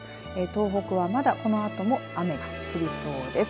東北はまだ、このあとも雨が降りそうです。